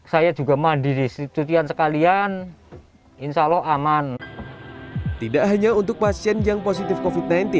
saya juga mandi disitu sekalian insyaallah aman tidak hanya untuk pasien yang positif covid sembilan belas